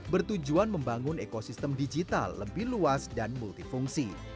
bertujuan membangun ekosistem digital lebih luas dan multifungsi